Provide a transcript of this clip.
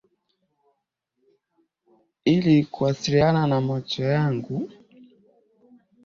Ili kuwasiliana na macho yangu.